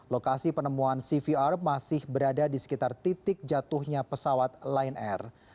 lokasi penemuan cvr masih berada di sekitar titik jatuhnya pesawat lion air